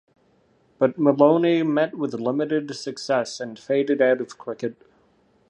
But Molony met with limited success and faded out of cricket.